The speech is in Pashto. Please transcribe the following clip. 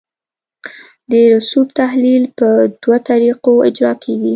د رسوب تحلیل په دوه طریقو اجرا کیږي